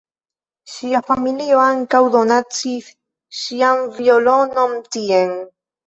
Ŝia familio ankaŭ donacis ŝian violonon tien.